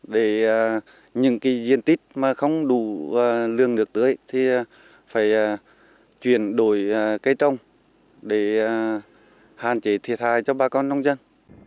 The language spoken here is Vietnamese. để những diện tích mà không đủ lương nước tưới thì phải chuyển đổi cây trông để hạn chế thiệt hại cho bà con nông dân